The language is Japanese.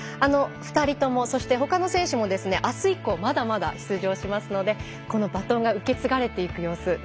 ２人とも他の選手もあす以降まだまだ出場しますのでこのバトンが受け継がれていく様子